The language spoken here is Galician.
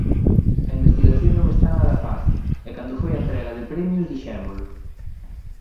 A investigación non está nada fácil e cando foi a entrega de premios dixémolo.